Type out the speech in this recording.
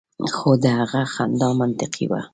خو د هغه خندا منطقي وه